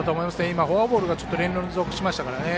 今、フォアボールが連続しましたからね。